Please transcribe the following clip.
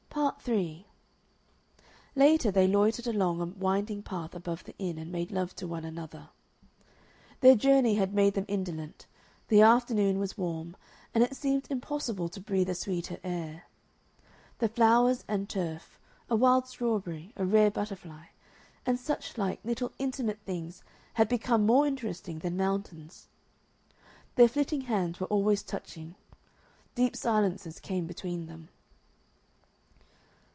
Part 3 Later they loitered along a winding path above the inn, and made love to one another. Their journey had made them indolent, the afternoon was warm, and it seemed impossible to breathe a sweeter air. The flowers and turf, a wild strawberry, a rare butterfly, and suchlike little intimate things had become more interesting than mountains. Their flitting hands were always touching. Deep silences came between them....